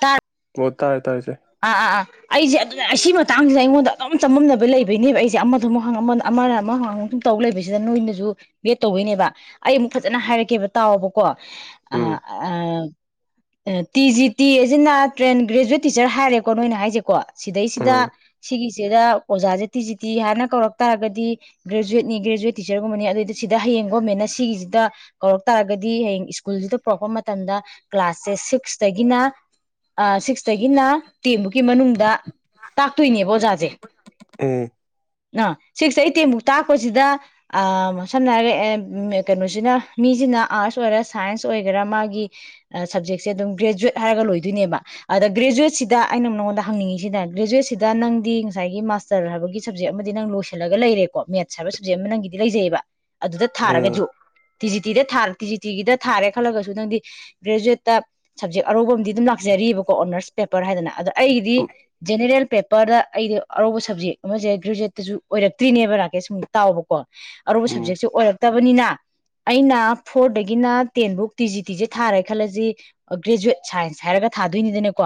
ꯇꯥꯔ ꯍꯣ ꯇꯥꯔꯦ ꯇꯥꯔꯦ ꯆꯦ ꯑꯥ ꯑꯥ ꯑꯥ ꯑꯩꯁꯦ ꯑꯗꯨꯅꯦ ꯁꯤ ꯃꯇꯥꯡꯁꯤꯗ ꯑꯩꯉꯣꯟꯗ ꯑꯗꯨꯝ ꯆꯃꯝꯅꯕ ꯂꯩꯕꯩꯅꯦꯕ ꯑꯩꯁꯦ ꯑꯃꯗꯃꯨꯛ ꯍꯪ ꯑꯃꯗ ꯑꯃꯅ ꯑꯃ ꯍꯪꯉꯥꯡꯕ ꯁꯝ ꯇꯧ ꯂꯩꯕꯁꯤꯗ ꯅꯣꯏꯅꯁꯨ ꯕꯦꯠ ꯇꯧꯕꯩꯅꯦꯕ ꯑꯩ ꯑꯃꯨꯛ ꯐꯖꯅ ꯍꯥꯏꯔꯛꯀꯦꯕ ꯇꯥꯎꯑꯣꯕꯀꯣ ꯑ ꯎꯝ ꯑ ꯇꯤ ꯖꯤ ꯇꯤ ꯑꯦꯁꯤꯅ ꯇꯔꯦ꯭ꯟ ꯒ꯭ꯔꯦꯖꯨꯋꯦꯠ ꯇꯤ ꯇꯤꯆꯔ ꯍꯥꯏꯔꯦꯀꯣ ꯅꯣꯏꯅ ꯍꯥꯏꯁꯦꯀꯣ ꯎꯝ ꯁꯤꯗꯩꯁꯤꯗ ꯁꯤꯒꯤꯁꯤꯗ ꯑꯣꯖꯥꯁꯦ ꯇꯤꯖꯤ ꯇꯤ ꯍꯥꯏꯅ ꯀꯧꯔꯛ ꯇꯥꯔꯒꯗꯤ ꯒ꯭ꯔꯦꯖꯨꯋꯦꯠꯅꯤ ꯒ꯭ꯔꯦꯖꯨꯋꯦꯠ ꯇꯤꯆꯔꯒꯨꯝꯕꯅꯤ ꯑꯗꯨꯏꯗꯤ ꯁꯤꯗ ꯍꯌꯦꯡ ꯒꯣꯔꯃꯦꯟꯅ ꯁꯤꯒꯤꯁꯤꯗ ꯀꯧꯔꯛ ꯇꯥꯔꯒꯗꯤ ꯍꯌꯦꯡ ꯁ꯭ꯀꯨꯜꯁꯤꯗ ꯀꯧꯔꯛꯄ ꯃꯇꯝꯗ ꯀ꯭ꯂꯥꯁꯁꯦ ꯁꯤꯛꯁꯇꯒꯤꯅ ꯁꯤꯛꯁꯇꯩ ꯅ ꯇꯦꯟꯕꯨꯀꯤ ꯃꯅꯨꯡꯗ ꯇꯥꯛꯇꯣꯏꯅꯦꯕ ꯑꯣꯖꯥꯁꯦ ꯎꯝ ꯑ ꯁꯤꯛꯁꯇꯩ ꯇꯦꯟꯐꯕꯨꯛ ꯇꯥꯛꯄꯁꯤꯗ ꯁꯝꯅ ꯍꯥꯏꯔꯦ ꯀꯩꯅꯣꯁꯤꯅ ꯃꯤꯁꯤꯅ ꯑꯥꯔꯠꯁ ꯑꯣꯏꯒꯦꯔꯥ ꯁꯥꯏꯟꯁ ꯑꯣꯏꯒꯦꯔꯥ ꯃꯥꯒꯤ ꯁꯞꯖꯦꯛꯁꯦ ꯑꯗꯨꯝ ꯒ꯭ꯔꯦꯖꯨꯋꯦꯠ ꯍꯥꯏꯔꯒ ꯂꯣꯏꯗꯣꯏꯅꯦꯕ ꯑꯗ ꯒ꯭ꯔꯦꯖꯨꯋꯦꯠꯁꯤꯗ ꯑꯩꯅ ꯅꯉꯣꯟꯗ ꯍꯪꯅꯤꯡꯉꯤꯁꯤꯅ ꯒ꯭ꯔꯦꯖꯨꯋꯦꯠꯁꯤꯗ ꯅꯪꯗꯤ ꯉꯁꯥꯏꯒꯤ ꯃꯥꯁꯇꯔ ꯍꯥꯏꯕꯒꯤ ꯁꯞꯖꯦꯛ ꯑꯃꯗꯤ ꯅꯪ ꯂꯣꯏꯁꯤꯜꯂꯒ ꯂꯩꯔꯦꯀꯣ ꯃꯦꯠꯁ ꯍꯥꯏꯕ ꯁꯕꯖꯦꯛ ꯑꯃ ꯅꯪꯒꯤꯗꯤ ꯂꯩꯖꯩꯑꯦꯕ ꯑꯗꯨꯗ ꯎꯝ ꯊꯥꯔꯒꯁꯨ ꯇꯤ ꯖꯤ ꯇꯤꯗ ꯊꯥ ꯇꯤ ꯖꯤ ꯇꯤꯒꯤꯗ ꯊꯥꯔꯦ ꯈꯜꯂꯒꯁꯨ ꯅꯪꯗꯤ ꯒ꯭ꯔꯦꯖꯨꯋꯦꯠꯇ ꯁꯞꯖꯦꯛ ꯑꯔꯧꯕ ꯑꯃꯗꯤꯝ ꯑꯗꯨꯝ ꯂꯥꯛꯆꯔꯤꯑꯕꯀꯣ ꯑꯣꯅꯔꯁ ꯄꯦꯄꯔ ꯍꯥꯏꯗꯅ ꯑꯗꯣ ꯑꯩꯒꯤꯗꯤ ꯎꯝ ꯖꯦꯅꯦꯔꯦꯜ ꯄꯦꯄꯔꯗ ꯑꯩꯗꯤ ꯑꯔꯧꯕ ꯁꯕꯖꯦꯛ ꯑꯃꯁꯦ ꯒ꯭ꯔꯦꯖꯨꯋꯦꯠꯇꯁꯨ ꯑꯣꯏꯔꯛꯇ꯭ꯔꯤꯅꯦꯕ ꯔꯥꯀꯦꯁ ꯁꯨꯝ ꯇꯥꯎꯕꯀꯣ ꯑꯔꯧꯕ ꯎꯝ ꯁꯕꯖꯦꯛꯁꯦ ꯑꯣꯏꯔꯛ ꯐꯠꯇꯕꯅꯤꯅ ꯑꯩꯅ ꯐꯣꯔꯗꯒꯤꯅ ꯇꯦꯟꯐꯧ ꯇꯤ ꯖꯤ ꯇꯤꯁꯦ ꯊꯥꯔꯦ ꯈꯜꯂꯁꯤ ꯒ꯭ꯔꯦꯖꯨꯋꯦꯠ ꯁꯥꯏꯟꯁ ꯍꯥꯏꯔꯒ ꯊꯥꯗꯣꯏꯅꯤꯗꯅꯀꯣ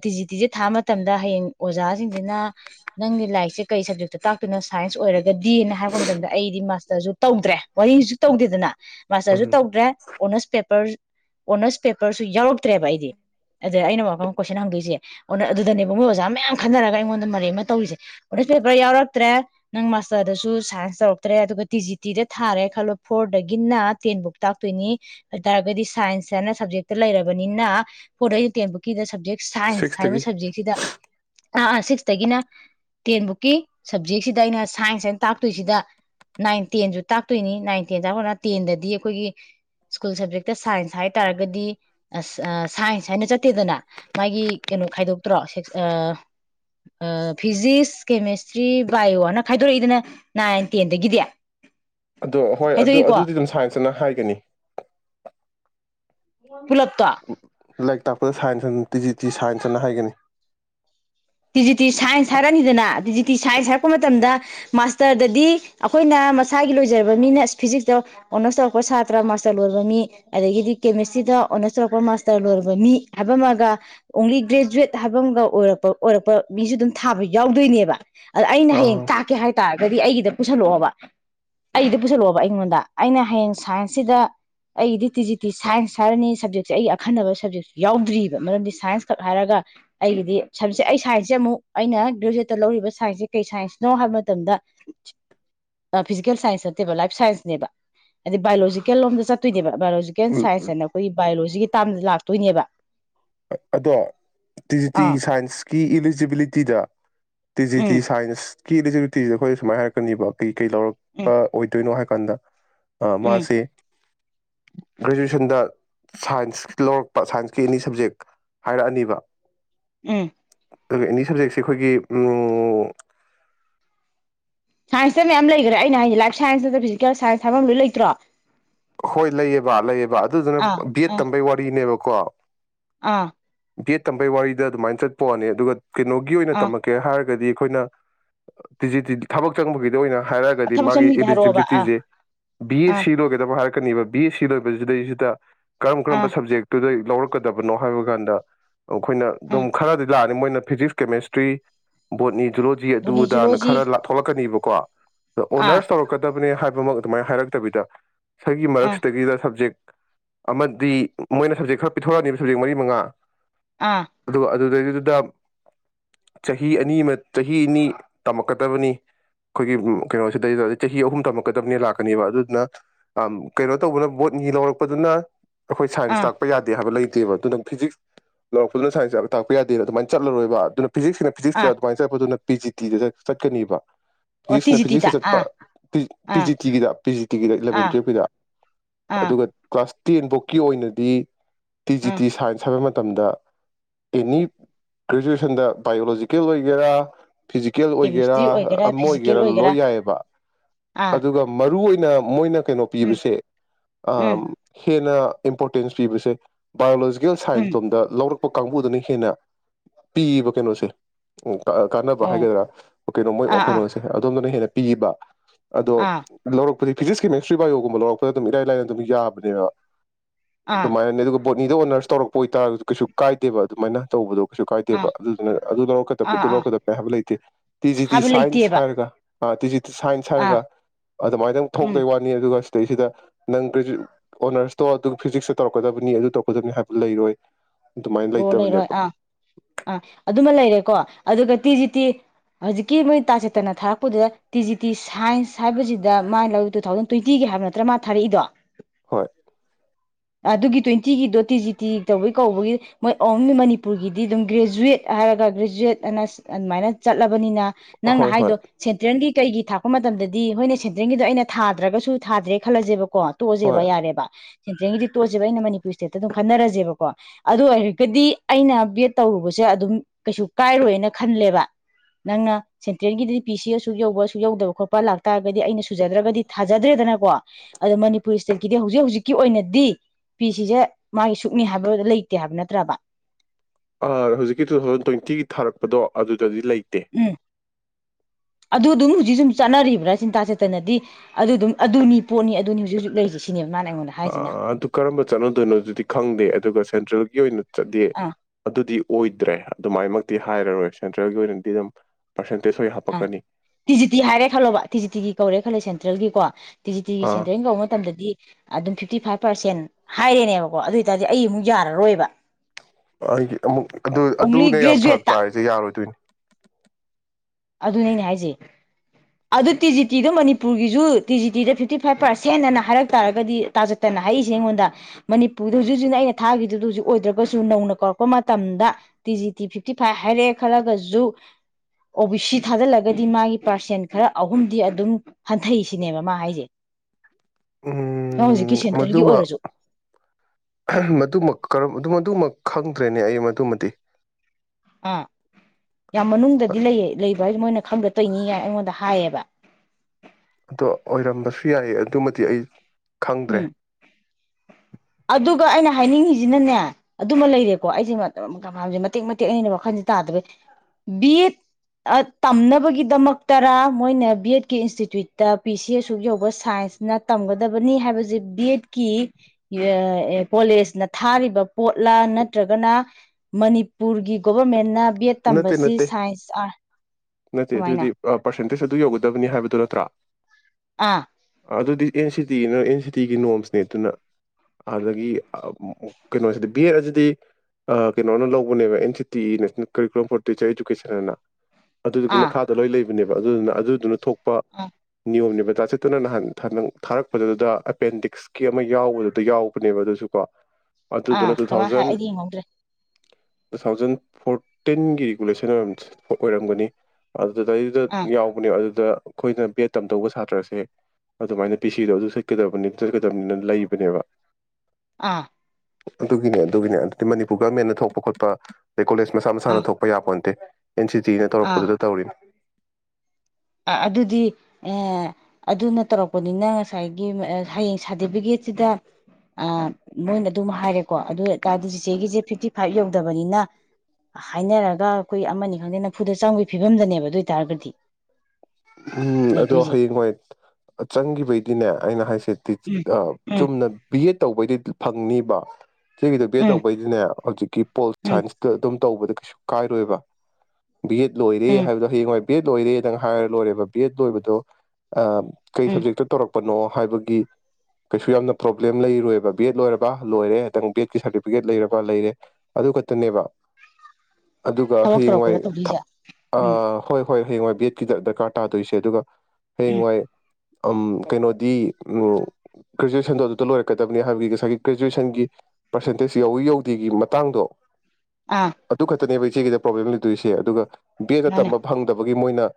ꯇꯤ ꯖꯤ ꯇꯤꯁꯦ ꯊꯥ ꯃꯇꯝꯗ ꯍꯌꯦꯡ ꯑꯣꯖꯥꯁꯤꯡꯁꯤꯅ ꯅꯪꯒꯤ ꯂꯥꯏꯔꯤꯛꯁꯦ ꯀꯔꯤ ꯁꯕꯖꯦꯛꯇ ꯇꯥꯛꯇꯣꯏꯅꯣ ꯁꯥꯏꯟꯁ ꯑꯣꯏꯔꯒꯗꯤꯅ ꯍꯥꯏꯔꯛꯄ ꯃꯇꯝꯗ ꯑꯩꯗꯤ ꯃꯥꯁꯇꯔꯁꯨ ꯇꯧꯗ꯭ꯔꯦ ꯋꯥꯔꯤꯁꯨ ꯇꯧꯗꯦꯗꯅ ꯃꯥꯁꯇꯔꯁꯨ ꯎꯝ ꯇꯧꯗ꯭ꯔꯦ ꯑꯣꯅꯔꯁ ꯄꯦꯄꯔ ꯑꯣꯅꯔꯁ ꯄꯦꯄꯔꯁꯨ ꯌꯥꯎꯔꯛꯇ꯭ꯔꯦꯕ ꯑꯩꯗꯤ ꯑꯗ ꯑꯩꯅ ꯋꯥꯐꯝ ꯀꯣꯏꯁꯟ ꯍꯪꯗꯣꯏꯁꯦ ꯑꯗꯨꯗꯅꯦꯕ ꯃꯣꯏ ꯑꯣꯖꯥ ꯃꯌꯥꯝ ꯈꯅꯔꯒ ꯑꯩꯉꯣꯟꯗ ꯃꯔꯩ ꯑꯃ ꯇꯧꯔꯤꯁꯦ ꯑꯣꯅꯁ ꯄꯦꯄꯔ ꯌꯥꯎꯔꯛꯇ꯭ꯔꯦ ꯅꯪ ꯃꯥꯁꯇꯔꯗꯁꯨ ꯁꯥꯏꯟꯁ ꯇꯧꯔꯛꯇ꯭ꯔꯦ ꯑꯗꯨꯒ ꯇꯤ ꯖꯤ ꯇꯤꯗ ꯊꯥꯔꯦ ꯈꯜꯂꯣ ꯐꯣꯔꯗꯒꯤꯅ ꯇꯦꯟ ꯕꯨꯛ ꯇꯥꯛꯇꯣꯏꯅꯤ ꯑꯗꯨ ꯑꯣꯏꯇꯔꯒꯗꯤ ꯁꯥꯏꯟꯁ ꯍꯥꯏꯅ ꯁꯕꯖꯦꯛꯇ ꯂꯩꯔꯕꯅꯤꯅ ꯐꯣꯔꯗꯒꯤ ꯇꯦꯟꯕꯨꯛꯀꯤꯗ [unintelligible] ꯁꯥꯏꯟꯁ ꯍꯥꯏꯕ ꯁꯤꯛꯁꯇꯒꯤ ꯁꯕꯖꯦꯛꯁꯤꯗ ꯑꯥ ꯑꯥ ꯁꯤꯛꯁꯇꯒꯤꯅ ꯇꯦꯟꯕꯨꯛꯀꯤ ꯁꯞꯖꯦꯛꯁꯤꯗ ꯑꯩꯅ ꯁꯥꯏꯟꯁ ꯍꯥꯏꯅ ꯇꯥꯛꯇꯣꯏꯁꯤꯗ ꯅꯥꯏꯟ ꯇꯦꯟꯁꯨ ꯇꯥꯛꯇꯣꯏꯅꯤ ꯅꯥꯏꯟ ꯇꯦꯟ ꯇꯥꯛꯈꯄꯅ ꯇꯦꯟꯗꯗꯤ ꯑꯩꯈꯣꯏꯒꯤ ꯁ꯭ꯀꯨꯜ ꯁꯕꯖꯦꯛꯇ ꯁꯥꯏꯟꯁ ꯍꯥꯏ ꯇꯥꯔꯒꯗꯤ ꯑꯁ ꯁꯥꯏꯟꯁ ꯍꯥꯏꯅ ꯆꯠꯇꯦꯗꯅ ꯃꯥꯒꯤ ꯀꯩꯅꯣ ꯈꯥꯏꯗꯣꯛꯇ꯭ꯔꯣ ꯐꯤꯖꯤꯛꯁ ꯀꯦꯃꯦꯁꯇ꯭ꯔꯤ ꯕꯥꯏꯑꯣ ꯍꯥꯏꯅ ꯈꯥꯏꯗꯣꯔꯛꯏꯗꯅ ꯅꯥꯏꯟ ꯇꯦꯟꯗꯒꯤꯗꯤ ꯑꯗꯣ ꯍꯣꯏ ꯑꯗꯨ ꯍꯥꯏꯗꯣꯛꯏꯀꯣ ꯑꯗꯨꯗꯤ ꯑꯗꯨꯝ ꯁꯥꯏꯟꯁꯇꯅ ꯍꯥꯏꯒꯅꯤ ꯄꯨꯂꯞꯇꯣ ꯂꯥꯏꯔꯤꯛ ꯇꯥꯛꯄꯗ ꯁꯥꯏꯟꯁ ꯑꯗꯨꯝ ꯇꯤ ꯖꯤ ꯇꯤ ꯁꯥꯏꯟꯁ ꯑꯅ ꯍꯥꯏꯒꯅꯤ ꯇꯤ ꯖꯤ ꯇꯤ ꯁꯥꯏꯟꯁ ꯍꯥꯏꯔꯛꯑꯅꯤꯗꯅ ꯇꯤꯖꯤ ꯇꯤ ꯁꯥꯏꯟꯁ ꯍꯥꯏꯔꯛꯄ ꯃꯇꯝꯗ ꯃꯥꯁꯇꯔꯗꯗꯤ ꯑꯩꯈꯣꯏꯅ ꯃꯁꯥꯒꯤ ꯂꯣꯏꯖꯔꯕ ꯃꯤꯅ ꯐꯤꯖꯤꯛꯁꯇ ꯑꯣꯅꯔꯁ ꯇꯧꯔꯛꯄ ꯁꯥꯇ꯭ꯔ ꯃꯥꯁꯇꯔ ꯂꯣꯏꯔꯕ ꯃꯤ ꯑꯗꯒꯤꯗꯤ ꯀꯦꯃꯦꯁꯇ꯭ꯔꯤꯗ ꯑꯣꯅꯔꯁ ꯇꯧꯔꯛꯄ ꯃꯥꯁꯇꯔ ꯂꯣꯏꯔꯕ ꯃꯤ ꯍꯥꯏꯕ ꯑꯃꯒ ꯑꯣꯡꯂꯤ ꯒ꯭ꯔꯦꯖꯨꯋꯦꯠ ꯍꯥꯏꯕ ꯑꯃꯒ ꯑꯣꯏꯔꯛꯄ ꯑꯣꯏꯔꯛꯄ ꯃꯤꯁꯨ ꯑꯗꯨꯝ ꯊꯥꯕ ꯌꯥꯎꯗꯣꯏꯅꯦꯕ ꯑꯗ ꯑꯩꯅ ꯍꯌꯦꯡ ꯑꯥ ꯇꯥꯛꯀꯦ ꯍꯥꯏꯇꯥꯔ ꯑꯗꯤ ꯑꯩꯒꯤꯗ ꯄꯨꯁꯜꯂꯛꯑꯣꯕ ꯑꯩꯗ ꯄꯨꯁꯜꯂꯛꯑꯣꯕ ꯑꯩꯉꯣꯟꯗ ꯑꯩꯅ ꯍꯌꯦꯡ ꯁꯥꯏꯟꯁꯁꯤꯗ ꯑꯩꯒꯤꯗꯤ ꯇꯤ ꯖꯤ ꯇꯤ ꯁꯥꯏꯟꯁ ꯍꯥꯏꯔꯅꯤ ꯁꯞꯖꯦꯛꯁꯦ ꯑꯩꯒꯤ ꯑꯈꯟꯅꯕ ꯁꯞꯖꯦꯛꯁꯨ ꯌꯥꯎꯗ꯭ꯔꯤꯕꯑꯔꯤꯕ ꯃꯔꯝꯗꯤ ꯁꯥꯏꯟꯁ ꯈꯛ ꯍꯥꯏꯔꯒ ꯑꯩꯒꯤꯗꯤ ꯁꯥꯏꯟꯁꯦ ꯑꯩ ꯁꯥꯏꯟꯁꯁꯦ ꯑꯃꯨꯛ ꯑꯩꯅ ꯒ꯭ꯔꯦꯖꯨꯌꯦꯠꯇ ꯂꯧꯔꯤꯕ ꯁꯥꯏꯟꯁꯁꯦ ꯀꯔꯤ ꯁꯥꯏꯟꯁꯅꯣ ꯍꯥꯏꯕ ꯃꯇꯝꯗ ꯐꯤꯖꯤꯀꯦꯜ ꯁꯥꯏꯟꯁ ꯅꯠꯇꯦꯕ ꯂꯥꯏꯐ ꯁꯥꯏꯟꯁꯅꯦꯕ ꯑꯗꯩ ꯕꯥꯏꯑꯣꯂꯣꯖꯤꯀꯦꯜ ꯂꯣꯝꯗ ꯆꯠꯇꯣꯏꯅꯦꯕ ꯕꯥꯏꯑꯣꯂꯣꯖꯤꯀꯦꯜ ꯁꯥꯏꯟꯁ ꯍꯥꯏꯅ ꯑꯩꯈꯣꯏꯒꯤ ꯕꯥꯏꯑꯣꯂꯣꯖꯤꯒꯤ ꯇꯥꯝꯗ ꯂꯥꯛꯇꯣꯏꯅꯦꯕ ꯑꯗꯣ ꯇꯤ ꯖꯤ ꯇꯤ ꯑꯥ ꯁꯥꯏꯟꯁ ꯇꯤ ꯏꯂꯤꯖꯤꯕꯤꯂꯤꯇꯤꯗ ꯇꯤ ꯖꯤ ꯇꯤ ꯎꯝ ꯁꯥꯏꯟꯁꯀꯤꯗꯤ ꯌꯨ ꯇꯤꯁꯦ ꯑꯩꯈꯣꯏ ꯁꯨꯃꯥꯏꯍꯥꯔꯛꯀꯅꯤꯕ ꯀꯩ ꯎꯝ ꯂꯧꯔꯛꯄ ꯑꯣꯏꯗꯣꯏꯅꯣ ꯍꯥꯏ ꯀꯟꯗ ꯑ ꯎꯝ ꯃꯥꯁꯤ ꯒ꯭ꯔꯦꯖꯨꯋꯦꯁꯟꯗ ꯁꯥꯏꯟꯁ ꯂꯧꯔꯛꯄ ꯁꯥꯏꯟꯁꯀꯤ ꯑꯦꯅꯤ ꯁꯕꯖꯦꯛ ꯍꯥꯏꯔꯛꯑꯅꯤꯕ ꯎꯝ ꯑꯗꯨꯒ ꯑꯦꯅꯤ ꯁꯕꯖꯦꯛꯁꯦ ꯑꯩꯈꯣꯏꯒꯤ ꯎꯝ ꯁꯥꯏꯟꯁꯇ ꯃꯌꯥꯝ ꯂꯩꯈ꯭ꯔꯦ ꯑꯩꯅ ꯍꯥꯏꯁꯤꯅꯦ ꯂꯥꯏꯐ ꯁꯥꯏꯟꯁ ꯅꯠꯇ꯭ꯔ ꯐꯤꯖꯤꯀꯦꯜ ꯁꯥꯏꯟꯁ ꯍꯥꯏꯕ ꯑꯃ ꯂꯣꯏ ꯂꯩꯇ꯭ꯔꯣ ꯍꯣꯏ ꯂꯩꯑꯕ ꯂꯩꯑꯕ ꯑꯗꯨꯗꯨꯅ ꯑꯥ ꯕꯤꯌꯦꯠ ꯑꯥ ꯇꯝꯕꯩ ꯋꯥꯔꯤꯅꯦꯕ ꯀꯣ ꯑꯥ ꯕꯤꯌꯦꯠ ꯇꯝꯕꯩ ꯋꯥꯔꯤꯗ ꯑꯗꯨꯃꯥꯏꯅ ꯆꯠꯄꯋꯥꯅꯤ ꯑꯗꯨꯒ ꯀꯩꯅꯣꯒꯤ ꯑꯣꯏꯅ ꯑꯥ ꯇꯝꯃꯛꯀꯦ ꯍꯥꯏꯔꯒꯗꯤ ꯑꯩꯈꯣꯏꯅ ꯇꯤ ꯖꯤ ꯇꯤꯗ ꯊꯕꯛ ꯆꯪꯕꯒꯤꯗ ꯑꯣꯏꯅ ꯍꯥꯏꯔꯒꯗꯤ ꯊꯕꯛ ꯃꯥꯒꯤ ꯆꯪꯕꯤꯗ ꯍꯥꯏꯔꯛꯑꯣꯕ ꯑꯥ ꯏꯂꯤꯖꯤꯕꯤꯂꯤꯇꯤꯁꯦ ꯕꯤ ꯑꯦ ꯑꯥ ꯁꯤ ꯂꯣꯏꯒꯗꯕ ꯍꯥꯏꯔ ꯕ ꯕꯤ ꯑꯦꯁ ꯁꯤ ꯂꯣꯏꯕꯁꯤꯗꯩꯁꯤꯗ ꯀꯔꯝ ꯀꯔꯝꯕ ꯑꯥ ꯁꯕꯖꯦꯛꯇꯨꯗꯩ ꯂꯧꯔꯛꯀꯗꯕꯅꯣ ꯍꯥꯏꯕ ꯀꯥꯟꯗ ꯑꯩꯈꯣꯏꯅ ꯑꯥ ꯑꯗꯨꯝ ꯈꯔꯗꯤ ꯂꯥꯛꯑꯅꯤ ꯃꯣꯏꯅ ꯐꯤꯖꯤꯛꯁ ꯀꯦꯃꯦꯁꯇ꯭ꯔꯤ ꯕꯣꯠꯅꯤ ꯖꯨꯂꯣꯖꯤ ꯑꯗꯨ ꯕꯣꯅꯤ ꯑꯗꯥꯅ ꯖꯨꯂꯣꯖꯤ ꯈꯔ ꯂꯥꯛ ꯊꯣꯛꯂꯛꯀꯅꯤꯕ ꯀꯣ ꯑꯗꯣ ꯑꯥ ꯑꯣꯅꯔꯁ ꯇꯧꯔꯛꯀꯗꯕꯅꯦ ꯍꯥꯏꯕ ꯑꯗꯨꯃꯛ ꯑꯗꯨꯃꯥꯏꯅ ꯍꯥꯏꯔꯛꯇꯕꯤꯗ ꯁꯩꯒꯤ ꯑꯥ ꯃꯔꯛꯁꯤꯗꯒꯤꯗ ꯁꯞꯖꯦꯛ ꯑꯃꯗꯤ ꯃꯣꯏꯅ ꯁꯞꯖꯦꯛ ꯈꯔ ꯄꯤꯊꯣꯔꯛꯑꯅꯤꯕ ꯁꯕꯖꯦꯛ ꯃꯔꯤ ꯃꯉꯥ ꯑꯥ ꯑꯗꯨꯒ ꯑꯗꯨꯗꯩ ꯑꯗꯨꯗ ꯆꯍꯤ ꯑꯅꯤꯃ ꯆꯍꯤ ꯑꯅꯤ ꯇꯝꯃꯛꯀꯗꯕꯅꯤ ꯑꯩꯈꯣꯏꯒꯤ ꯀꯩꯅꯣꯁꯤꯗꯩꯗ ꯆꯍꯤ ꯑꯍꯨꯝ ꯇꯝꯃꯛꯀꯗꯕꯅꯤ ꯂꯥꯛꯀꯅꯤꯕ ꯑꯗꯨꯗꯨꯅ ꯑꯝ ꯀꯩꯅꯣ ꯇꯧꯕꯅ ꯕꯣꯠꯅꯤ ꯂꯧꯔꯛꯄꯗꯅ ꯑꯩꯈꯣꯏ ꯁꯥꯏꯟꯁ ꯑꯥ ꯇꯥꯛꯄ ꯌꯥꯗꯦ ꯍꯥꯏꯕ ꯂꯩ ꯇꯦꯕ ꯑꯗꯨ ꯅꯪ ꯐꯤꯖꯤꯛꯁ ꯂꯧꯔꯛꯄꯗꯨꯅꯥ ꯁꯥꯏꯟꯁ ꯇꯥꯛꯄ ꯌꯥꯗꯦꯅ ꯑꯗꯨꯃꯥꯏꯅ ꯆꯠꯂꯔꯣꯏꯕ ꯑꯗꯨꯅ ꯐꯤꯖꯤꯛꯁꯤꯅ ꯐꯤꯖꯤꯛꯁꯇ ꯑꯥ ꯑꯗꯨꯃꯥꯏꯅ ꯆꯠꯄ ꯗꯨꯅ P G ꯇꯤꯗ ꯆꯠꯀꯅꯤꯕ O T ꯐꯤꯖꯤꯛꯁꯅ G ꯇꯤꯗ ꯐꯤꯖꯤꯛꯁꯇ ꯆꯠꯄ ꯑꯥ ꯄꯤ ꯄꯤ ꯑꯥ ꯖꯤ ꯇꯤꯒꯤꯗ ꯄꯤ ꯖꯤ ꯇꯤꯒꯤꯗ ꯏꯂꯚꯦꯟ ꯑꯥ ꯌꯨ ꯄꯤꯗ ꯑꯥ ꯑꯗꯨꯒ ꯀ꯭ꯂꯥꯁ ꯇꯦꯟꯕꯥꯎꯀꯤ ꯑꯣꯏꯅꯗꯤ ꯇꯤ ꯖꯤ ꯑꯥ ꯇꯤ ꯁꯥꯏꯟꯁ ꯍꯥꯏꯕ ꯑꯃ ꯃꯇꯝꯗ ꯑꯦꯅꯤ ꯒ꯭ꯔꯦꯖꯨꯑꯦꯁꯟꯗ ꯕꯥꯏꯑꯣꯂꯣꯖꯤꯀꯦꯜ ꯑꯣꯏꯒꯦꯔꯥ ꯐꯤꯖꯤꯀꯦꯜ ꯑꯣꯏꯒꯦꯔꯥ ꯑꯃ ꯑꯣꯏꯒꯦꯔꯥ ꯂꯣꯏ ꯌꯥꯏꯌꯦꯕ ꯑꯥ ꯑꯗꯨꯒ ꯃꯔꯨ ꯑꯣꯏ ꯅ ꯃꯣꯏꯅ ꯀꯩ ꯎꯝ ꯄꯤꯕꯁꯦ ꯎꯝ ꯑꯝ ꯍꯦꯟꯅ ꯏꯝꯄꯣꯔꯇꯦꯟꯁ ꯄꯤꯕꯁꯦ ꯕꯥꯏꯑꯣꯂꯣꯖꯤꯀꯦꯜ ꯎꯝ ꯁꯥꯏꯟꯁꯂꯣꯝꯗ ꯂꯧꯔꯛ ꯀꯥꯡꯕꯨꯗꯅ ꯍꯦꯟꯅ ꯄꯤꯌꯦꯕ ꯀꯩꯅꯣꯁꯦ ꯑꯣ ꯑ ꯀꯥꯟꯅꯕ ꯑꯣ ꯍꯥꯏꯒꯗ꯭ꯔꯥ ꯀꯩꯅꯣ ꯃꯣꯏ ꯑꯥ ꯑꯣ ꯑꯥ ꯀꯩꯅꯣꯁꯦ ꯑꯗꯣꯝꯗꯅ ꯍꯦꯟꯅ ꯄꯤꯕ ꯑꯗꯣ ꯑꯥ ꯂꯧꯔꯛ ꯄꯗꯤ ꯐꯤꯖꯛꯁ ꯀꯦꯃꯦꯁ ꯁꯤ ꯕꯥꯏꯑꯣ ꯒꯨꯝꯕꯥ ꯂꯧꯔꯛꯄꯗꯥ ꯑꯗꯨꯝ ꯏꯔꯥꯏ ꯂꯥꯏꯅ ꯑꯗꯨꯝ ꯌꯥꯕꯅꯦꯕ ꯑꯥ ꯑꯗꯨꯃꯥꯌꯅꯦ ꯑꯗꯨ ꯕꯣꯠꯅꯤꯗ ꯑꯣꯅꯔꯁ ꯇꯧꯔꯛꯄ ꯑꯣꯏꯇꯥꯔꯁꯨ ꯀꯩꯁꯨ ꯀꯥꯏꯗꯦꯕ ꯑꯗꯨꯃꯥꯏꯅ ꯇꯧꯕꯗꯣ ꯀꯩꯁꯨ ꯑꯥ ꯀꯥꯏꯗꯦꯕ ꯑꯗꯨꯗꯨꯅ ꯑꯗꯨ ꯂꯧꯔꯛꯀꯗꯕꯅꯤ ꯑꯥ ꯑꯗꯨ ꯑꯥ ꯂꯧꯔꯛꯀꯗꯕꯅꯤ ꯍꯥꯏꯕ ꯂꯩꯇꯦ ꯇꯤ ꯖꯤ ꯇꯤ ꯍꯥꯏꯕ ꯁꯥꯏꯟꯁ ꯂꯩꯇꯦꯕ ꯍꯥꯏꯔꯒ ꯑ ꯇꯤ ꯖꯤ ꯁꯥꯏꯟꯁ ꯑꯥ ꯍꯥꯏꯔꯒ ꯑꯗꯨꯃꯥꯏꯇꯪ ꯎꯝ ꯊꯣꯛꯇꯩꯋꯥꯅꯤ ꯑꯗꯨꯒ ꯁꯤꯗꯩꯁꯤꯗ ꯅꯪ ꯒ꯭ꯔꯦꯖ ꯑꯣꯅꯔꯁꯇꯣ ꯑꯗꯨ ꯐꯤꯖꯤꯛꯁꯇ ꯇꯧꯔꯛꯀꯗꯕꯅꯤ ꯑꯗꯨ ꯇꯧꯔꯛꯀꯗꯕꯅꯤ ꯍꯥꯏꯕ ꯂꯩꯔꯣꯏ ꯑꯗꯨꯃꯥꯏꯅ ꯕꯣꯔ ꯂꯩꯔꯣꯏ ꯂꯩꯇꯕꯅꯦꯕ ꯑꯥ ꯑꯥ ꯑꯗꯨꯃ ꯂꯩꯔꯦꯀꯣ ꯑꯗꯨꯒ ꯇꯤ ꯖꯤ ꯇꯤ ꯍꯧꯖꯤꯛꯀꯤ ꯃꯣꯏ ꯇꯥ ꯆꯦꯇꯟ ꯅ ꯊꯥꯔꯛꯄꯗꯨꯗ ꯇꯤ ꯖꯤ ꯇꯤ ꯁꯥꯏꯟꯁ ꯍꯥꯏꯕꯁꯤꯗ ꯃꯅꯥ ꯂꯧꯔꯤꯗꯣ ꯇꯨ ꯊꯥꯎꯖꯟ ꯇ꯭ꯋꯦꯟꯇꯤꯒꯤ ꯍꯥꯏꯕ ꯅꯠꯇ꯭ꯔꯥ ꯃꯥ ꯊꯥꯔꯛꯏꯗꯣ ꯍꯣꯏ ꯑꯗꯨꯒꯤ ꯇ꯭ꯋꯦꯟꯇꯤꯒꯤꯗꯣ ꯇꯤ ꯖꯤ ꯇꯤ ꯇꯧꯕꯩ ꯀꯧꯕꯩ ꯃꯣꯏ ꯑꯣꯡꯂꯤ ꯃꯅꯤꯄꯨꯔꯒꯤꯗꯤ ꯑꯗꯨꯝ ꯒ꯭ꯔꯦꯖꯨꯋꯦꯠ ꯍꯥꯏꯔꯒꯥ ꯒꯔ꯭ꯦꯖꯨꯋꯦꯠ ꯑꯅꯥ ꯑꯗꯨꯃꯥꯏꯅ ꯆꯠꯂꯕꯅꯤꯅ ꯅꯪꯅ ꯍꯣꯏ ꯍꯣꯏ ꯍꯥꯏꯗꯣ ꯁꯦꯟꯇ꯭ꯔꯦꯜꯒꯤ ꯀꯩꯒꯤ ꯊꯥꯛꯄ ꯃꯇꯝꯗꯗꯤ ꯍꯣꯏꯅꯦ ꯁꯦꯟꯠꯔꯦꯜꯒꯤꯗꯤ ꯑꯩꯅ ꯊꯥꯗ꯭ꯔꯒꯁꯨ ꯊꯥꯗ꯭ꯔꯦ ꯈꯟꯂꯥꯁꯦꯕꯥ ꯀꯣ ꯇꯣꯛ ꯑꯁꯦꯕꯥ ꯍꯣꯏ ꯌꯔꯦꯕꯥ ꯁꯦꯟꯇ꯭ꯔꯦꯜꯒꯤꯗꯤ ꯇꯣꯀꯑꯁꯦꯕ ꯑꯩꯅ ꯃꯅꯤꯄꯨꯔ ꯏꯁꯇꯦꯠꯇ ꯑꯗꯨꯝ ꯈꯟꯅꯔꯁꯦꯕꯀꯣ ꯑꯗꯨ ꯑꯣꯏ ꯀꯗꯤ ꯑꯩꯅ ꯕꯦꯠ ꯇꯧꯔꯨꯕꯁꯦ ꯑꯗꯨꯝ ꯀꯩꯁꯨ ꯀꯥꯏꯔꯣꯏꯅ ꯈꯜꯂꯦꯕ ꯅꯪꯅ ꯁꯦꯟꯠꯔꯦꯜꯒꯤꯗꯤ ꯄꯤ ꯁꯤ ꯑꯁꯨ ꯌꯧꯕ ꯑꯁꯨ ꯌꯧꯗꯕ ꯈꯣꯠꯄ ꯂꯥꯛꯇꯥꯥꯔꯒꯗꯤ ꯑꯩꯅ ꯁꯨꯖꯗ꯭ꯔꯒꯗꯤꯥ ꯊꯥ ꯖꯗ꯭ꯔꯦꯗꯅꯀꯣ ꯑꯗꯨ ꯃꯅꯤꯄꯨꯔ ꯏꯁ ꯆꯠꯈꯤꯗꯦ ꯍꯧꯖꯤꯛ ꯍꯧꯖꯤꯛꯀꯤ ꯑꯣꯏꯅꯗꯤ ꯄꯤ ꯁꯤ ꯁꯦ ꯃꯥꯒꯤ ꯁꯨꯛꯅꯤ ꯍꯥꯏꯕ ꯂꯩꯇꯦ ꯍꯥꯏꯕ ꯅꯠꯇ ꯇ꯭ꯔꯕ ꯑ ꯍꯧꯖꯤꯛꯀꯤ ꯇꯨ ꯊꯥꯎꯖꯟ ꯇꯋꯦꯟ ꯇꯤꯒꯤ ꯊꯥꯔꯛꯄꯗꯣ ꯑꯗꯨ ꯗꯗꯤ ꯂꯩꯇꯦ ꯎꯝ ꯑꯗꯨ ꯗꯨꯝ ꯍꯧꯖꯤꯛ ꯁꯨꯝ ꯆꯠꯅꯔꯤꯕ꯭ꯔꯥ ꯆꯤꯅꯤ ꯇꯥ ꯆꯦꯇꯟꯅꯗꯤ ꯑꯗꯨ ꯑꯗꯨꯝ ꯑꯗꯨꯅꯤ ꯄꯣꯠꯅꯤ ꯑꯗꯨꯅꯤ ꯍꯧꯖꯤꯛ ꯍꯧꯖꯤꯛ ꯂꯩꯔꯤ ꯁꯤꯅꯦꯕ ꯃꯥꯅ ꯑꯩꯉꯣꯟꯗ ꯑꯥ ꯍꯥꯏꯁꯤꯅ ꯑꯥ ꯑꯗꯨ ꯀꯔꯝꯕ ꯆꯠꯅꯗꯣꯏꯅꯣ ꯑꯗꯨꯗꯤ ꯈꯪꯗꯦ ꯑꯗꯨꯒ ꯁꯦꯟꯇ꯭ꯔꯦꯜꯒꯤ ꯑꯣꯏꯅ ꯆꯗꯦ ꯑꯥ ꯑꯗꯨꯗꯤ ꯑꯣꯏꯗ꯭ꯔꯦ ꯑꯗꯨꯃꯥꯏꯃꯛꯇꯤ ꯍꯥꯏꯔꯔꯣꯏ ꯁꯦꯟꯇ꯭ꯔꯦꯜꯒꯤ ꯑꯣꯏꯅꯗꯤ ꯑꯗꯨꯝ ꯄꯔꯁꯦꯟ ꯑꯥ ꯇꯤꯖꯤ ꯇꯤ ꯍꯥꯏꯔꯦ ꯈꯜꯂꯣꯕ ꯇꯤꯖꯤꯇꯤꯒꯤ ꯀꯧꯔꯦ ꯈꯜꯂꯦ ꯁꯦꯟꯇ꯭ꯔꯦꯜꯒꯤ ꯀꯣ ꯇꯤꯖꯤ ꯇꯤꯒꯤ ꯑꯥ ꯁꯦꯟꯇꯔꯦꯜꯒꯤ ꯀꯧꯕ ꯃꯇꯝꯗꯗꯤ ꯑꯗꯨꯝ ꯐꯤꯞꯇꯤ ꯐꯥꯏꯚ ꯄꯥꯔꯁꯦꯟ ꯍꯥꯏꯔꯦꯅꯦꯕꯀꯣ ꯑꯗꯨ ꯑꯣꯏ ꯇꯥꯔꯗꯤ ꯑꯩ ꯑꯃꯨꯛ ꯌꯥꯔꯔꯣꯏꯑꯕ ꯑꯥ ꯑꯩꯒꯤ ꯑꯃꯨꯛ ꯑꯗꯨ ꯑꯗꯨꯅꯦ ꯌꯥꯝ ꯐꯔꯛ ꯒ꯭ꯔꯦꯖꯨꯋꯦꯠꯇ ꯇꯥꯔꯤꯁꯦ ꯌꯥꯔꯣꯏꯗꯣꯏꯅꯤ ꯑꯗꯨꯅꯦ ꯑꯩꯅ ꯍꯥꯏꯁꯦ ꯑꯗꯨ ꯇꯤ ꯖꯤ ꯇꯤꯗꯨ ꯃꯅꯤꯄꯨꯔꯒꯤꯁꯨ ꯇꯤꯖꯤ ꯇꯤꯗ ꯐꯤꯞꯇꯤ ꯐꯥꯏꯚ ꯄꯥꯔꯁꯦꯟ ꯑꯅ ꯍꯥꯏꯔꯛ ꯇꯥꯔꯒꯗꯤ ꯇꯥꯖꯠꯇꯅ ꯍꯥꯏꯁꯦ ꯑꯩꯉꯣꯟꯗ ꯃꯅꯤꯄꯨꯔꯗ ꯍꯧꯖꯤꯛ ꯍꯧꯖꯤꯛꯅ ꯑꯩꯅ ꯊꯥꯒꯤꯗꯨꯗꯨ ꯍꯧꯖꯤꯛ ꯑꯣꯏꯗ꯭ꯔꯒꯁꯨ ꯅꯧꯅ ꯀꯧꯔꯛꯄ ꯃꯇꯝꯗ T G T fifty five ꯍꯥꯏꯔꯛꯑꯦ ꯈꯜꯂꯒꯖꯨ ꯑꯣ ꯕꯤ ꯁꯤ ꯊꯥꯖꯤꯜꯂꯒꯗꯤ ꯃꯥꯒꯤ ꯄꯥꯔꯁꯦꯟ ꯈꯔ ꯑꯍꯨꯝꯗꯤ ꯑꯗꯨꯝ ꯍꯟꯊꯩꯁꯤꯅꯦꯕ ꯃꯥ ꯍꯥꯏꯁꯦ ꯅꯪ ꯍꯧꯖꯤꯛꯀꯤ ꯎꯝ ꯁꯦꯟꯇ꯭ꯔꯦꯜꯒꯤ ꯃꯗꯨꯃ ꯑꯣꯏꯔꯁꯨ ꯃꯗꯨꯃ ꯀꯔꯝ ꯑꯗꯨꯝ ꯑꯗꯨꯃꯛ ꯈꯪꯗ꯭ꯔꯦꯅꯦ ꯑꯩ ꯃꯗꯨꯃꯗꯤ ꯑꯥ ꯌꯥꯝ ꯃꯅꯨꯡꯗꯗꯤ ꯂꯩꯌꯦ ꯂꯩꯕ ꯍꯥꯏꯁꯦ ꯃꯣꯏꯅ ꯈꯪꯕ ꯇꯣꯏꯅꯤ ꯌꯥꯏ ꯑꯩꯉꯣꯟꯗ ꯍꯥꯏꯌꯦꯕ ꯑꯗꯣ ꯑꯣꯏꯔꯝꯕꯁꯨ ꯌꯥꯏꯑ ꯑꯗꯨꯃꯗꯤ ꯑꯩ ꯈꯪꯗ꯭ꯔꯦ ꯎꯝ ꯑꯗꯨꯒ ꯑꯩꯅ ꯍꯥꯏꯅꯤꯡꯉꯤꯁꯤꯅꯅꯦ ꯑꯗꯨꯃ ꯂꯩꯔꯦꯀꯣ ꯑꯩꯁꯤꯃ ꯑꯗꯨ ꯀꯟꯐꯥꯔꯝ ꯃꯇꯦꯛ ꯃꯇꯦꯛ ꯑꯩꯅ ꯋꯥꯈꯜꯁꯦ ꯇꯥꯗꯕ ꯕꯤꯑꯦꯗ ꯇꯝꯅꯕꯒꯤꯗꯃꯛꯇꯔꯥ ꯃꯣꯏꯅ ꯕꯦꯠꯀꯤ ꯏꯟꯁꯇꯤꯇ꯭ꯌꯨꯠꯇ ꯄꯤ ꯁꯤ ꯑꯁꯨꯛ ꯌꯧꯕ ꯁꯥꯏꯟꯁꯅ ꯇꯝꯒꯗꯕꯅꯤ ꯍꯥꯏꯕ ꯍꯨꯖꯤꯛ ꯕꯤ ꯑꯦꯠꯀꯤ ꯀꯣꯂꯦꯖꯅ ꯊꯥꯔꯤꯕ ꯄꯣꯠꯂꯥ ꯅꯠꯇ꯭ꯔꯒꯅ ꯃꯅꯤꯄꯨꯔꯒꯤ ꯒꯣꯕꯔꯃꯦꯟꯅ ꯕꯦꯠ ꯅꯠꯇꯦ ꯇꯝꯕꯁꯤ ꯅꯠꯇꯦ ꯁꯥꯏꯟꯁ ꯑꯥꯔ ꯅꯠꯇꯦ ꯑꯗꯨꯗꯤ ꯄꯥꯔꯁꯦꯟꯇꯦꯖ ꯑꯗꯨ ꯌꯧꯒꯗꯕꯅꯤ ꯍꯥꯏꯕꯗꯨ ꯅꯠꯇ꯭ꯔꯥ ꯑꯥ ꯑꯗꯨꯗꯤ ꯑꯦꯟ ꯁꯤ ꯇꯤꯅ ꯑꯦꯟ ꯁꯤ ꯇꯤꯒꯤ ꯅꯣꯝꯁꯅꯦ ꯑꯗꯨꯅ ꯑꯗꯒꯤ ꯑꯥꯥ ꯀꯩꯅꯣꯁꯤꯗꯤ ꯕꯦꯠ ꯑꯁꯤꯗꯤ ꯀꯩꯅꯣꯅ ꯂꯧꯕꯅꯦꯕ N C T national curriculum for teacher ꯏꯗꯨꯀꯦꯁꯟꯅ ꯑꯗꯨꯗꯨꯒꯤ ꯑꯥ ꯃꯈꯥꯗ ꯂꯣꯏ ꯂꯩ ꯅꯦꯕ ꯑꯗꯨꯗꯨꯅ ꯑꯗꯨꯗꯨꯅ ꯊꯣꯛ ꯄ ꯑꯥ ꯅꯤꯌꯣꯝꯅꯦꯕ ꯆꯆꯥ ꯆꯠꯇꯨꯅ ꯅꯍꯥꯟ ꯊꯥꯔꯛꯄꯗꯨꯗꯨꯗ ꯑꯦꯄꯦꯟꯗꯤꯛꯁꯀꯤ ꯑꯃ ꯌꯥꯎꯕꯗꯨꯗ ꯌꯥꯎꯕꯅꯦꯕ ꯑꯗꯨꯁꯨ ꯀꯣ ꯑꯥ ꯑꯗꯨꯗꯨꯅ ꯇꯨ ꯀꯃ ꯍꯥꯏ ꯊꯥꯎꯖꯟ ꯑꯩꯗꯤ ꯌꯦꯡꯍꯧꯗ꯭ꯔꯦ ꯇꯨ ꯊꯥꯎꯖꯟ ꯐꯣꯔꯇꯤꯟꯒꯤ ꯔꯤꯒꯨꯂꯦꯁꯟ ꯑꯣꯏꯔꯝꯒꯅꯤ ꯑ ꯑꯗꯨꯗꯩꯗꯨꯗ ꯑꯥ ꯌꯥꯎꯕꯅꯦ ꯑꯗꯨ ꯑꯗꯨꯗ ꯑꯩꯈꯣꯏꯅ ꯕꯦꯠ ꯇꯝ ꯗꯧꯕ ꯁꯥꯇ꯭ꯔꯁꯦ ꯑꯗꯨꯃꯥꯏꯅ ꯄꯤꯁꯤꯗꯣ ꯑꯗꯨ ꯆꯠꯀꯗꯕꯅꯤ ꯆꯠꯀꯗꯕꯅꯤꯅ ꯂꯩꯕꯅꯦꯕ ꯑꯥ ꯑꯗꯨꯒꯤꯅꯦ ꯑꯗꯨꯒꯤꯅꯦ ꯑꯗꯨꯗꯤ ꯃꯅꯤꯄꯨꯔ ꯒꯃꯦꯟꯅ ꯊꯣꯛꯄ ꯈꯣꯠꯄ ꯩ ꯀꯣꯂꯁ ꯃꯁꯥ ꯃꯁꯥꯅ ꯑꯥ ꯊꯣꯛꯄ ꯌꯥꯄꯣꯟꯇꯦ ꯑꯦꯟꯁꯤ ꯇꯤꯗ ꯇ ꯑꯗꯨꯗ ꯇꯧꯔꯤꯅꯤ ꯑ ꯑꯗꯨꯗꯤ ꯑꯗꯨꯅ ꯇꯧꯔꯛꯄꯅꯤꯅ ꯉꯁꯥꯏꯒꯤ ꯍꯌꯦꯡ ꯁꯥꯔꯇꯤꯐꯤꯀꯦꯠꯁꯤꯗ ꯃꯣꯏꯅ ꯑꯗꯨꯝ ꯍꯥꯏꯔꯦꯀꯣ ꯑꯗꯨ ꯑꯣꯏ ꯇꯔꯗꯤ ꯆꯤꯆꯦꯒꯤꯁꯦ ꯐꯤꯐꯇꯤ ꯐꯥꯏꯞ ꯌꯧꯗꯕꯅꯤꯅ ꯍꯥꯏꯅꯔꯒ ꯑꯩꯈꯣꯏ ꯑꯃꯅꯤ ꯈꯪꯗꯦ ꯅꯐꯨꯗ ꯆꯪꯕꯒꯤ ꯐꯤꯕꯝꯗꯅꯦꯕ ꯑꯗꯨ ꯑꯣꯏ ꯇꯔꯒꯗꯤ ꯎꯝ ꯑꯗꯣ ꯍꯌꯦꯡꯋꯥꯏ ꯆꯪꯈꯤꯕꯩꯗꯤꯅꯦ ꯑꯩꯅ ꯍꯥꯏꯁꯦ ꯎꯝ ꯎꯝ ꯆꯨꯝꯅ ꯕꯤ ꯑꯦꯗ ꯇꯧꯕꯩꯗꯤ ꯐꯪꯅꯤ ꯐ ꯁꯤꯒꯤꯗꯣ ꯕꯤ ꯑꯦ ꯎꯝ ꯇꯧꯕꯩꯁꯤꯅꯦ ꯍꯧꯖꯤꯛꯀꯤ ꯄꯣꯜ ꯎꯝ ꯁꯥꯏꯟꯁꯇ ꯑꯗꯨꯝ ꯇꯧꯕꯗ ꯀꯩꯁꯨ ꯀꯥꯏꯔꯣꯏꯕ ꯕꯤꯑꯦꯠ ꯂꯣꯏꯔꯦ ꯎꯝ ꯍꯥꯏꯕꯗꯣ ꯍꯌꯦꯡꯋꯥꯏ ꯕꯤꯌꯦꯠ ꯂꯣꯏꯔꯦꯗꯪ ꯍꯥꯏꯔ ꯂꯣꯏꯔꯦꯕ ꯕꯤꯑꯦꯠ ꯂꯣꯏꯕꯗꯣ ꯑꯥ ꯀꯩ ꯎꯝ ꯁꯞꯖꯦꯛꯇ ꯇꯧꯔꯛ ꯄꯅꯣ ꯍꯥꯏꯕꯒꯤ ꯀꯩꯁꯨ ꯌꯥꯝꯅ ꯄꯔꯣꯕ꯭ꯂꯦꯝ ꯂꯩꯔꯣꯏꯕ ꯕꯦꯠ ꯂꯣꯏꯔꯕ ꯂꯣꯏꯔꯦ ꯇꯪ ꯕꯦꯠꯀꯤ ꯁꯥꯔꯇꯤꯐꯤꯀꯦꯠ ꯂꯩꯔꯕ ꯂꯩꯔꯦ ꯑꯗꯨ ꯈꯛꯇꯅꯦꯕ ꯑꯗꯨꯒ ꯊꯕꯛ ꯍꯌꯦꯡꯋꯥꯏ ꯇꯧꯔꯛꯄꯗ ꯊ ꯇꯧꯗꯣꯏꯁꯦ ꯎꯝ ꯑꯥ ꯍꯣꯏ ꯍꯣꯏ ꯍꯌꯦꯡꯋꯥꯏ ꯕꯤꯑꯦꯠꯀꯤꯗ ꯗ ꯀꯥ ꯇꯥꯗꯣꯏꯁꯦ ꯑꯗꯨꯒ ꯍꯌꯦꯡ ꯎꯝ ꯋꯥꯏ ꯑꯝ ꯀꯩꯅꯣꯗꯤ ꯎ ꯒ꯭ꯔꯦꯖꯨ꯭ꯋꯦꯁꯟꯗꯣ ꯑꯗꯨꯗ ꯂꯣꯏꯔꯛꯀꯗꯕꯅꯤ ꯍꯥꯏꯕꯒꯤ ꯉꯁꯥꯏꯒꯤ ꯒ꯭ꯔꯦꯖꯨ꯭ꯋꯦꯁꯟꯒꯤ ꯄꯔꯁꯦꯟꯇꯦꯖ ꯌꯧꯋꯤ ꯌꯧꯗꯦꯒꯤ ꯃꯇꯥꯡꯗꯣ ꯑꯥ ꯑꯗꯨ ꯈꯛꯇꯅꯦꯕ ꯁꯤꯒꯤꯗ ꯄ꯭ꯔꯣꯕ꯭ꯂꯦꯝ ꯂꯩꯇꯣꯏꯁꯦ ꯑꯗꯨꯒ ꯕꯦꯗ ꯃꯥꯅꯦ ꯇꯝꯕ ꯐꯪꯗꯕ ꯃꯣꯏꯅ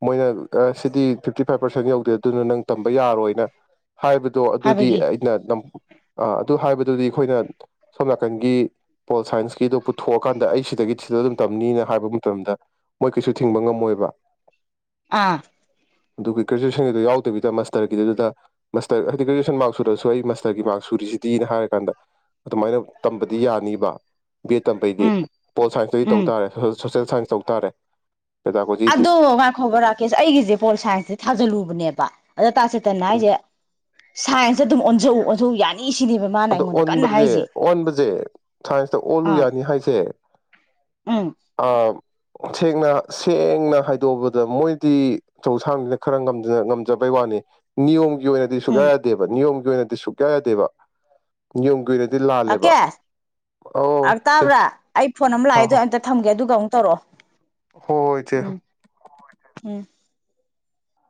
ꯃꯣꯏꯅ ꯑ ꯁꯤꯗꯤ ꯐꯤꯞꯇꯤ ꯐꯥꯏꯞ ꯄꯥꯔꯁꯦꯟ ꯌꯧꯗꯦ ꯑꯗꯨꯅ ꯅꯪ ꯇꯝꯕ ꯌꯥꯔꯣꯏꯅ ꯍꯥꯏꯕꯗꯣ ꯑꯗꯨꯗꯤ ꯍꯥꯏꯕꯒꯤ ꯑꯩꯅ ꯇꯝ ꯑ ꯑꯗꯨ ꯍꯥꯏꯕꯗꯨꯗꯤ ꯑꯩꯈꯣꯏꯅ ꯁꯣꯝ ꯅꯥꯀꯟꯒꯤ ꯄꯣꯜ ꯁꯥꯏꯟꯁꯀꯤꯗꯣ ꯄꯨꯊꯣꯛꯑꯀꯥꯟꯗ ꯑꯩ ꯁꯤꯗꯒꯤ ꯁꯤꯗ ꯑꯗꯨꯝ ꯇꯝꯅꯤꯅ ꯍꯥꯏꯕ ꯃꯇꯝꯗ ꯃꯣꯏ ꯀꯩꯁꯨ ꯊꯤꯡꯕ ꯉꯝꯃꯣꯏꯕ ꯑꯥ ꯑꯗꯨꯒ ꯒ꯭ꯔꯦꯖꯨ꯭ꯌꯦꯁꯟꯒꯤꯗꯨ ꯌꯥꯎꯗꯕꯤꯗ ꯃꯥꯁꯇꯔꯒꯤꯗꯨꯗ ꯃꯥꯁꯇꯔ ꯍꯥꯏꯗꯤ ꯒ꯭ꯔꯦꯖꯨ꯭ꯌꯦꯁꯟ ꯃꯥꯔꯛ ꯁꯨꯗ꯭ꯔꯥꯁꯨ ꯑꯩ ꯃꯥꯁꯇꯔꯒꯤ ꯃꯥꯔꯛ ꯁꯨꯔꯤꯁꯤꯗꯤꯅ ꯍꯥꯏꯔꯀꯥꯟꯗ ꯑꯗꯨꯃꯥꯏꯅ ꯇꯝꯕꯗꯤ ꯌꯥꯅꯤꯕ ꯕꯦ ꯇꯝꯕꯩꯗꯤ ꯎꯝ ꯄꯣꯜ ꯁꯥꯏꯟꯁꯇꯗꯤ ꯇꯧ ꯎꯝ ꯇꯥꯔꯦ ꯗ ꯁꯥꯏꯟ ꯇꯧ ꯇꯥꯔꯦ ꯄꯦꯗꯥꯒꯣꯖꯤꯗꯤ ꯑꯗꯣ ꯉꯥꯏꯈꯣꯕ ꯔ ꯀꯦꯁ ꯑꯩꯒꯤꯁꯦ ꯄꯣꯜ ꯁꯥꯏꯟꯁꯁꯦ ꯊꯥꯖꯤꯜꯂꯨꯕꯅꯦꯕ ꯑꯗ ꯇꯥꯁꯦꯇꯅ ꯍꯥꯏꯖꯦ ꯁꯥꯏꯟꯁꯇ ꯑꯗꯨꯝ ꯑꯣꯟꯖꯧ ꯑꯣꯟꯊꯣꯛꯎ ꯌꯥꯅꯤ ꯁꯤꯅꯦꯕ ꯃꯥꯅ ꯑꯗꯣ ꯑꯩꯉꯣꯟꯗ ꯀꯟꯅ ꯑꯣꯟꯕꯖꯦ ꯍꯥꯏꯔꯤꯁꯦ ꯑꯣꯟꯕꯖꯦ ꯁꯥꯏꯟꯁꯇ ꯑꯣꯜꯂꯨ ꯑꯥ ꯌꯥꯅꯤ ꯍꯥꯏꯁꯦ ꯎꯝ ꯑ ꯁꯦꯡꯅ ꯁꯦꯡꯅ ꯍꯥꯏꯗꯣꯛꯑꯕꯗ ꯃꯣꯏꯗꯤ ꯑꯆꯧ ꯑꯁꯥꯡꯅꯤꯅ ꯈꯔ ꯉꯝꯖ ꯉꯝꯖꯕꯩ ꯋꯥꯅꯤ ꯅꯤꯌꯣꯝ ꯑꯣꯏꯔꯗꯤ ꯁꯨꯛꯌꯥ ꯎꯝ ꯌꯥꯗꯦꯕ ꯅꯤꯌꯣꯝ [unintelligible] ꯁꯨꯛꯌꯥ ꯌꯥꯗꯦꯕ [unintelligible] ꯔꯥꯀꯦꯁ ꯑꯧ ꯑꯪ ꯏꯆꯦ ꯇꯥꯕꯔꯥ ꯑꯩ ꯐꯣꯟ ꯑꯃ ꯂꯥꯛꯑꯦ ꯑꯗꯨ ꯑꯝꯇ ꯊꯝꯒꯦ ꯑꯗꯨꯒ ꯑꯃꯨꯛ ꯇꯧꯔꯛꯑꯣ ꯍꯣ ꯍꯣꯏ ꯏꯆꯦ ꯎꯝ ꯎꯝ